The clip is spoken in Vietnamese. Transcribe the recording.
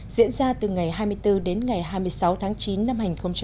diễn ra từ ngày hai mươi bốn đến ngày hai mươi sáu tháng chín năm hai nghìn hai mươi